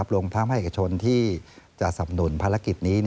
โรงพยาบาลไทยเอกชนที่จะสำนุนภารกิจนี้